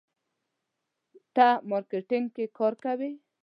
ته مارکیټینګ کې کار کوې.